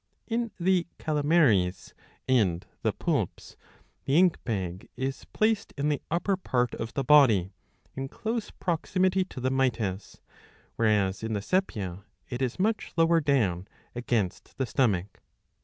In the Calamaries and the Poulps the ink bag is placed in the upper part of the body, in close proximity to the mytis}^ whereas in the sepia it is much lower down, against the stomach.